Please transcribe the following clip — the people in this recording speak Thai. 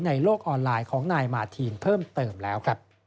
ในโลกออนไลน์ของนายมาทีนเพิ่มเติมแล้ว